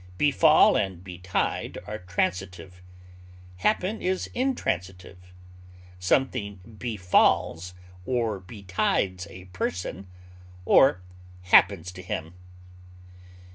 Befall and betide are transitive; happen is intransitive; something befalls or betides a person or happens to him.